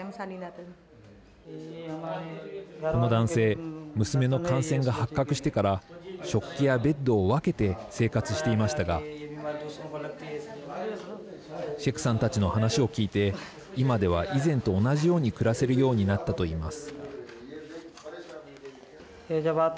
この男性娘の感染が発覚してから食器やベッドを分けて生活していましたがシェクさんたちの話を聞いて今では以前と同じように暮らせるようになったと言います。